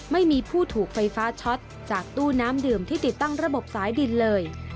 ไม่มีผู้ถูกไฟฟ้าช็อตจากตู้น้ำดื่มที่ติดตั้งระบบสายดินเลย